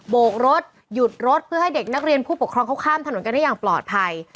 โกกรถหยุดรถเพื่อให้เด็กนักเรียนผู้ปกครองเขาข้ามถนนกันได้อย่างปลอดภัย